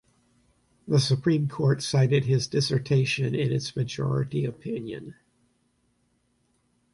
The Supreme Court cited his dissertation in its majority opinion.